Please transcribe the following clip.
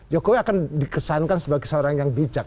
jokowi akan dikesankan sebagai seorang yang bijak